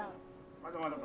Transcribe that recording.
まだまだか。